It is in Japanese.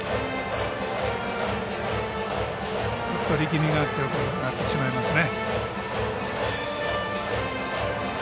ちょっと力みが強くなってしまいますね。